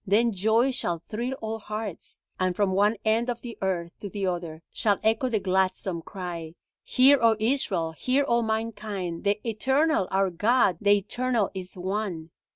Then joy shall thrill all hearts, and from one end of the earth to the other shall echo the gladsome cry: Hear, O Israel, hear all mankind, the Eternal our God, the Eternal is One.